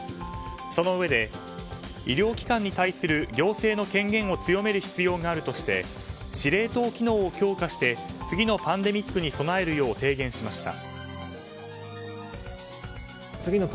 そのうえで医療機関に対する行政の権限を強める必要があるとして司令塔機能を強化して次のパンデミックに備えるよう提言しました。